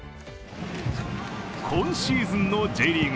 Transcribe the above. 今シーズンのＪリーグ